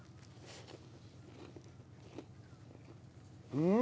うん！